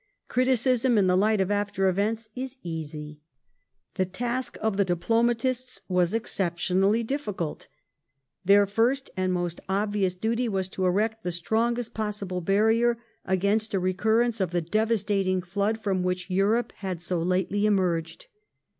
Criticism in the light of after events is easy. The task of the diplomatists was exceptionally difficult. Their first and most obvious duty was to erect the strongest pos sible barrier against a recuiTence of the devastating flood from which Europe had so lately emerged.